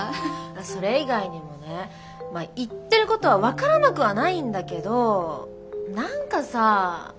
それ以外にもねまあ言ってることは分からなくはないんだけど何かさ。